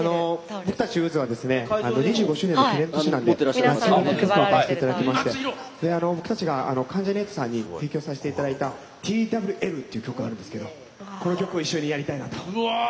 僕たち、ゆずは２５周年の記念の年なので「夏色」を歌わせていただきまして僕たちが関ジャニ∞さんに提供させていただいた「Ｔ．Ｗ．Ｌ」という曲があるんですがこの曲を一緒にやりたいなと。